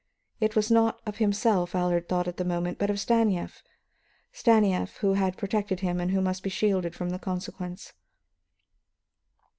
It was not of himself Allard thought at the moment, but of Stanief, Stanief, who had protected him and who must be shielded from the consequence.